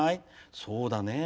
そうだね。